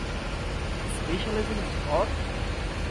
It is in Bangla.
Special agent Scott?